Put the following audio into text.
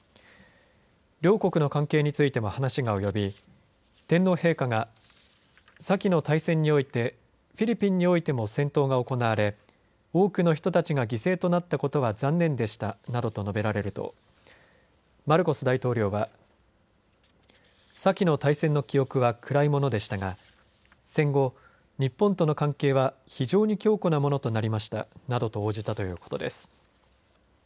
両国の関係については話が及び天皇陛下が先の大戦においてフィリピンにおいても戦闘が行われ多くの人たちが犠牲となったことは残念でしたなどと述べられるとマルコス大統領は先の大戦の記憶は暗いものでしたが戦後、日本との関係は非常に強固なものとなりましたなどと応じたということです。